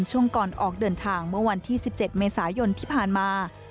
ช่วงก่อนออกเดินทางเมื่อวันที่๑๗เมษายนที่ผ่านมา